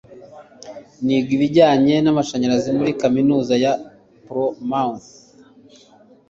niga ibijyanye n'amashanyarazi muri kaminuza ya plymouth